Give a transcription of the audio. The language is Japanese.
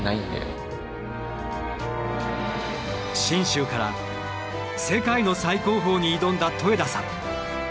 信州から世界の最高峰に挑んだ戸枝さん。